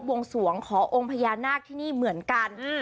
โอ้โหเยอะนะเนี่ย